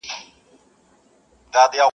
له حیا له حُسنه جوړه ترانه یې-